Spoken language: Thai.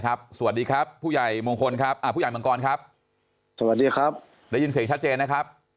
สวัสดีครับผู้ใหญ่มงคลครับอ่าผู้ใหญ่มังกรครับสวัสดีครับได้ยินเสียงชัดเจนนะครับ